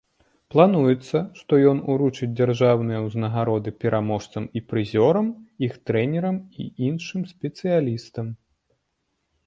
Плануецца, што ён уручыць дзяржаўныя ўзнагароды пераможцам і прызёрам, іх трэнерам і іншым спецыялістам.